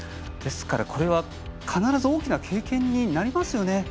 ですから、これは必ず大きな経験になりますね。